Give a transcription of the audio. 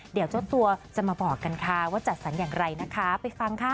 เดี๋ยวเจ้าตัวจะมาบอกกันค่ะว่าจัดสรรอย่างไรนะคะไปฟังค่ะ